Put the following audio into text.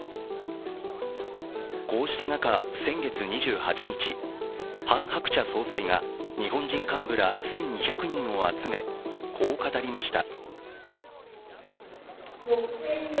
こうした中、先月２８日ハン・ハクチャ総裁が日本人幹部ら１２００人を集めこう語りました。